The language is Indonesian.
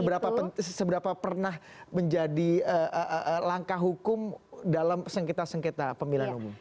dan seberapa pernah menjadi langkah hukum dalam sengketa sengketa pemilihan umum